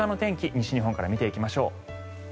西日本から見ていきましょう。